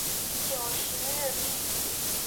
九十日币